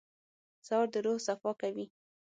سهار د روح صفا کوي.